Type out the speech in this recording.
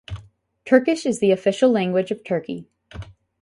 Turkish is the official language of Turkey.